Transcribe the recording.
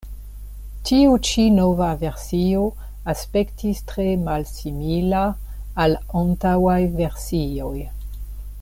Tiu ĉi nova versio aspektis tre malsimila al antaŭaj versioj.